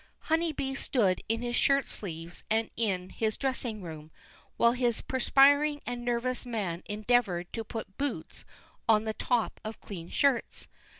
Honeybee stood in his shirt sleeves, and in his dressing room, while his perspiring and nervous man endeavoured to put boots on the top of clean shirts.